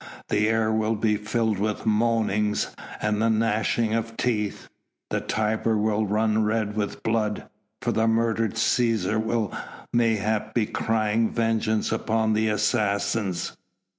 The air will be filled with moanings and with gnashing of teeth; the Tiber will run red with blood, for the murdered Cæsar will mayhap be crying vengeance upon the assassins.